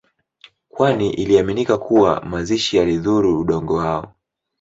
kwani iliaminika kuwa mazishi yalidhuru Udongo wao